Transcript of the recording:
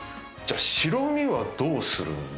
白身はどうするんだ？